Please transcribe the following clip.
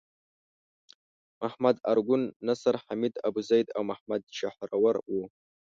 محمد ارګون، نصر حامد ابوزید او محمد شحرور وو.